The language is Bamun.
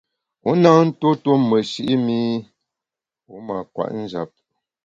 Wu na ntuo tuo meshi’ mi wu mâ kwet njap.